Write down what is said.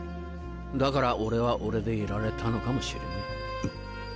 だから俺は俺でいられたのかもしれねえ。